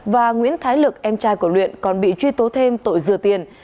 và nguyễn thái lực em trai của luyện còn bị truy tố thêm tội dừa tiền